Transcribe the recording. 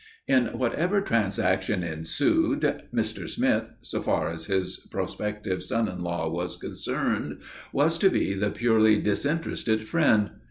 In whatever transaction ensued Mr. Smith, so far as his prospective son in law was concerned, was to be the purely disinterested friend.